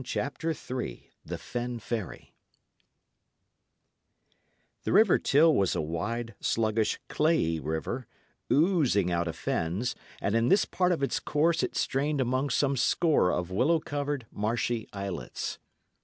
CHAPTER III THE FEN FERRY The river Till was a wide, sluggish, clayey water, oozing out of fens, and in this part of its course it strained among some score of willow covered, marshy islets.